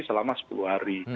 selama sepuluh hari